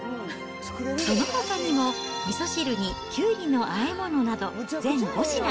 そのほかにも、みそ汁にキュウリのあえ物など、全５品。